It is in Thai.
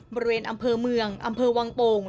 บริเวณอำเภอเมืองอำเภอวังโป่ง